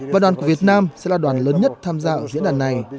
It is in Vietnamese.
và đoàn của việt nam sẽ là đoàn lớn nhất tham gia diễn đàn này